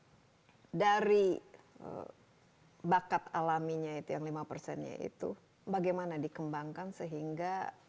hai dari bakat alaminya itu yang lima persen yaitu bagaimana dikembangkan sehingga